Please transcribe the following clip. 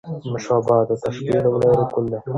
مشبه د تشبېه لومړی رکن دﺉ.